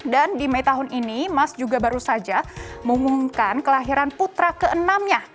dan di mei tahun ini musk juga baru saja mengumumkan kelahiran putra keenamnya